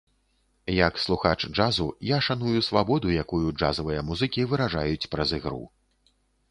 Як слухач джазу, я шаную свабоду, якую джазавыя музыкі выражаюць праз ігру.